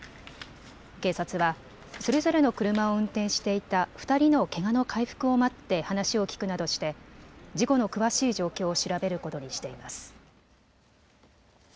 警察はそれぞれの車を運転していた２人のけがの回復を待って話を聞くなどして事故の詳しい状況を調べることにしています。